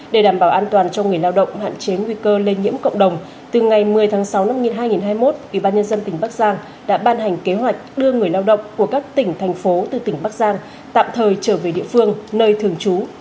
để đảm bảo an toàn cho người lao động hạn chế nguy cơ lây nhiễm cộng đồng từ ngày một mươi tháng sáu năm hai nghìn hai mươi một ubnd tỉnh bắc giang đã ban hành kế hoạch đưa người lao động của các tỉnh thành phố từ tỉnh bắc giang tạm thời trở về địa phương nơi thường trú